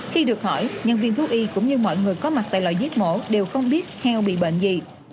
khi được hỏi nhân viên thuốc y cũng như mọi người có mặt tại loại giết mổ đều không biết heo bị bệnh gì